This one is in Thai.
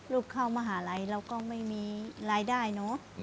เข้ามหาลัยเราก็ไม่มีรายได้เนอะ